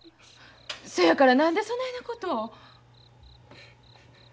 そやから何でそないなことを。